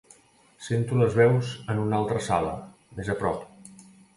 Sento les veus en una altra sala, més a prop.